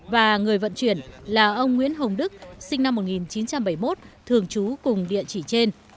và người vận chuyển là ông nguyễn hồng đức sinh năm một nghìn chín trăm bảy mươi một thường trú cùng địa chỉ trên